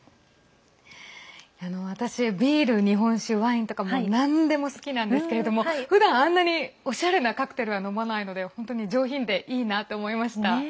私、ビール、日本酒ワインとかなんでも好きなんですけれどもふだん、あんなにおしゃれなカクテルは飲まないので本当に上品でいいなと思いました。